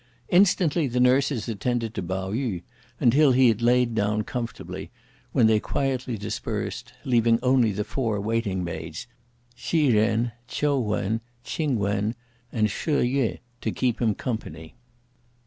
Instantly, the nurses attended to Pao yü, until he had laid down comfortably; when they quietly dispersed, leaving only the four waiting maids: Hsi Jen, Ch'iu Wen, Ch'ing Wen and She Yueh to keep him company.